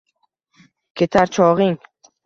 Ketar chog’ing